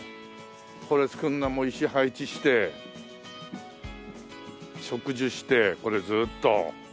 これ造るのも石配置して植樹してこれずっと。